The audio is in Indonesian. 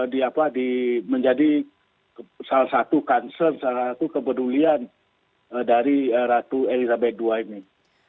dia menjadi salah satu concern salah satu kepedulian dari ratu elizabeth ii ini